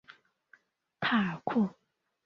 帕尔库。